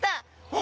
お！